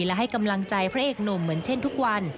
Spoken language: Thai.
และให้กำลังใจพระเอกหนุ่มเหมือนเช่นทุกวัน